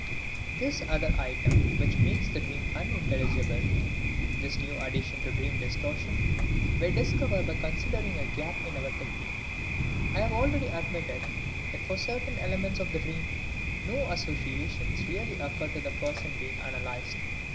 This other item which makes the dream unintelligible, this new addition to dream distortion, we discover by considering a gap in our technique. I have already admitted that for certain elements of the dream, no associations really occur to the person being analyzed.